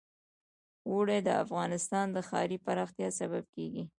اوړي د افغانستان د ښاري پراختیا سبب کېږي.